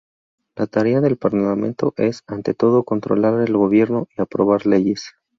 La tarea del Parlamento es, ante todo, controlar el gobierno y aprobar leyes.